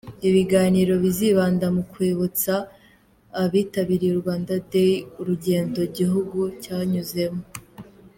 Ibiganiro bizibanda mu kwibutsa abitabiriye Rwanda Day urugendo igihugu cyanyuzemo.